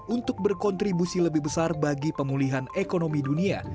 untuk berkontribusi lebih besar bagi pemulihan ekonomi dunia